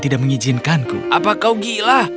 tidak mengizinkanku apa kau gila